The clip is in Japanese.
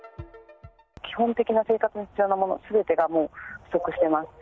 基本的な生活に必要なものすべてがもう不足しています。